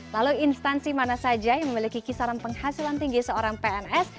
lalu instansi mana saja yang memiliki kisaran penghasilan tinggi seorang pns